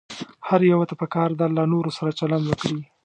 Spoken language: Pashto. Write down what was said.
هر يوه ته پکار ده له نورو سره چلند وکړي.